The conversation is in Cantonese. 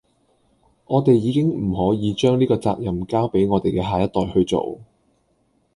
我地已經唔可以將呢個責任交俾我們既下一代去做